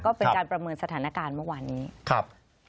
ก็เป็นการประเมินสถานการณ์เมื่อวานนี้ครับ